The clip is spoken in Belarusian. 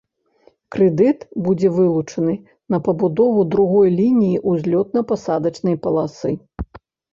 Крэдыт будзе вылучаны на пабудову другой лініі ўзлётна-пасадачнай паласы.